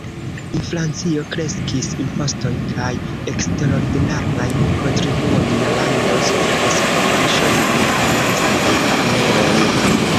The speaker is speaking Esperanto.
Inflacio kreskis, impostoj kaj eksterordinaraj kontribuoj, la lando suferis pro marŝoj de aliancanaj armeoj.